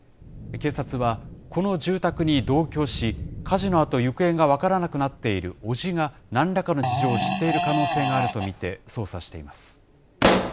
警察は、この住宅に同居し、火事のあと行方が分からなくなっている伯父がなんらかの事情を知っている可能性があると見て、捜査しています。